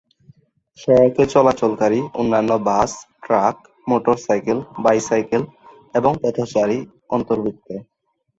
সড়কে চলাচলকারী অন্যান্য বাস, ট্রাক, মোটরসাইকেল, বাইসাইকেল এবং পথচারী অন্তর্ভুক্ত।